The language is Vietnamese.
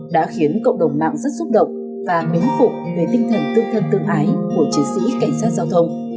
đã khiến cộng đồng mạng rất xúc động và mến phục về tinh thần tương thân tương ái của chiến sĩ cảnh sát giao thông